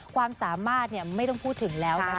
ความสามารถไม่ต้องพูดถึงแล้วนะคะ